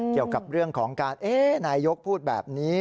เกี่ยวกับเรื่องของการนายกพูดแบบนี้